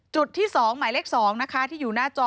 จุดที่๒หมายเลข๒นะคะที่อยู่หน้าจอ